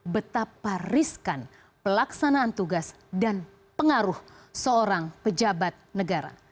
betapa riskan pelaksanaan tugas dan pengaruh seorang pejabat negara